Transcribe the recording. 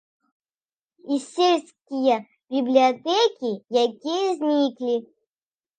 І сельскія бібліятэкі, якія зніклі.